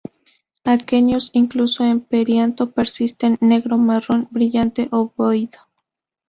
Aquenios incluidos en perianto persistente, negro-marrón, brillante, ovoide.